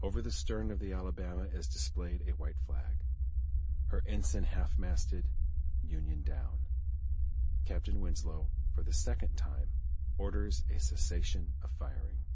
Over the stern of the Alabama is displayed a white flag, her ensign half masted, union down; Captain Winslow for the second time orders a cessation of firing.